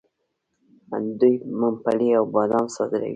دوی ممپلی او بادام صادروي.